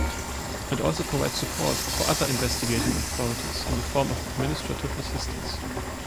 It also provides support for other investigating authorities in the form of administrative assistance.